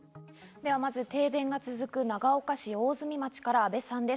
ではまず停電が続く長岡市大積町から阿部さんです。